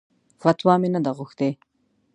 فتوا مې نه ده غوښتې.